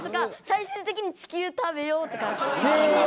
最終的に「地球食べよう」とかそういう。